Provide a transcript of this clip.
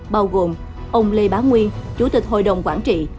bao gồm ông lê bá nguyên chủ tịch hội đồng quản trị